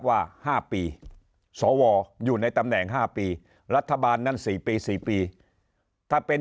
ว่า๕ปีสวอยู่ในตำแหน่ง๕ปีรัฐบาลนั้น๔ปี๔ปีถ้าเป็น